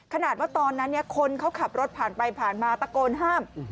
ขนาดว่าตอนนั้นคนเขาขับรถผ่านไปผ่านมาตะโกนห้าม